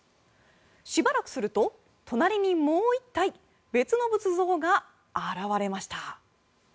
しばらくすると、隣にもう１体別の仏像が現れました。